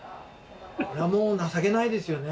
これはもう情けないですよね。